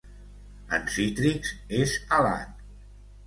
En cítrics és alat.